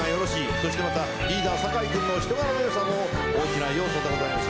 そしてまたリーダー酒井くんの人柄のよさも大きな要素でございます。